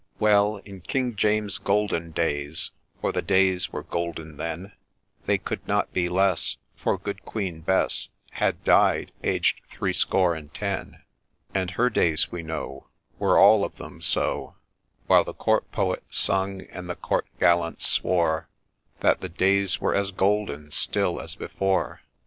Well, — in King James's golden days, — For the days were golden then, — They could not be less, for good Queen Bess Had died, aged threescore and ten, THE WITCHES' FROLIO 97 And her days we know, Were all of them so ; While the Court poets sung, and the Court gallants swore That the days were as golden still as before.